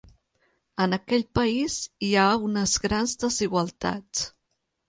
En aquell país hi ha unes grans desigualtats.